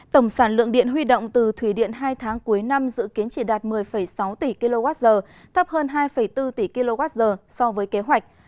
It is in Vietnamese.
tổng sản lượng điện huy động từ thủy điện hai tháng cuối năm dự kiến chỉ đạt một mươi sáu tỷ kwh thấp hơn hai bốn tỷ kwh so với kế hoạch